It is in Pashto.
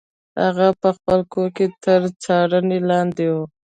هغه په خپل کور کې تر څارنې لاندې و.